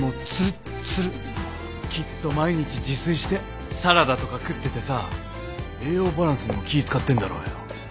きっと毎日自炊してサラダとか食っててさ栄養バランスも気使ってんだろうよ。